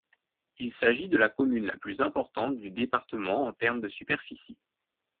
Il s'agit de la commune la plus importante du département en termes de superficie.